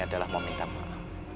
adalah meminta maaf